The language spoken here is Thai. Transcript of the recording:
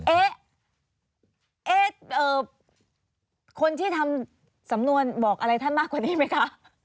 เอ๊ะคนที่ทำสำนวนบอกอะไรท่านมากกว่านี้ไหมคะ